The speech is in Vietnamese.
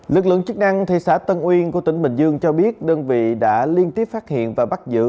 lực lượng chức năng thị xã tân uyên của tỉnh bình dương cho biết đơn vị đã liên tiếp phát hiện và bắt giữ